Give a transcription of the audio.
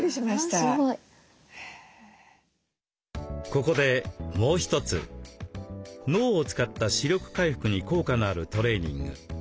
ここでもう一つ脳を使った視力回復に効果のあるトレーニング。